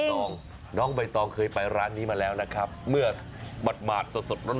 ตองน้องใบตองเคยไปร้านนี้มาแล้วนะครับเมื่อหมาดสดสดร้อน